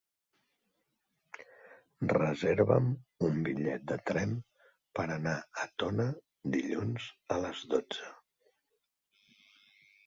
Reserva'm un bitllet de tren per anar a Tona dilluns a les dotze.